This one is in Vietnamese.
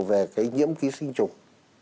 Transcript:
về cái nhiễm ký sinh trùng